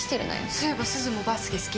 そういえばすずもバスケ好きだよね？